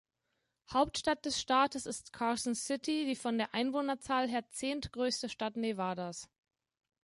Hauptstadt des Staates ist Carson City, die von der Einwohnerzahl her zehntgrößte Stadt Nevadas.